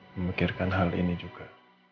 memikirkan hal ini juga